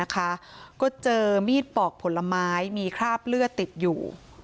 ก็เจอมีดปอกผลไม้มีคราบเลือดติดอยู่